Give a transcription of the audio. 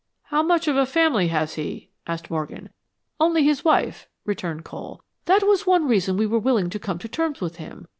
"How much of a family has he?" asked Morgan. "Only his wife," returned Cole. "That was one reason we were willing to come to terms with him.